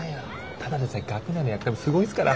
ただでさえ学内のやっかみすごいんすから。